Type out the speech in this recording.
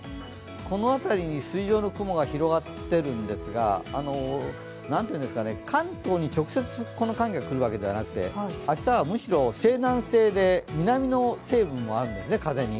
この辺りに筋状の雲が広がっているんですが、関東に直接寒気がくるわけではなくて明日はむしろ西南西で、南の成分もあるんですね、風に。